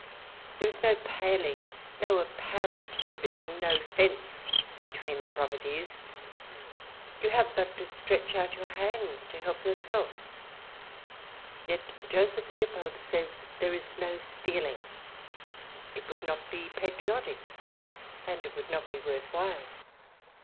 There is no paling, no apparent division, no fence between the properties ; you have but to stretch out your hand, and to help yourself. Yet Joseph Leopold says there is no stealing ; it would not be patriotic, and it would not be worth while.